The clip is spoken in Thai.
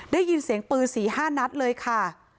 ได้ยินเสียงปืนสี่ห้านัดเลยค่ะ